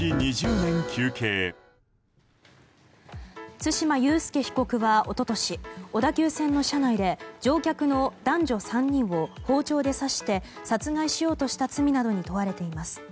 対馬悠介被告は一昨年、小田急線の車内で乗客の男女３人を包丁で刺して殺害しようとした罪などに問われています。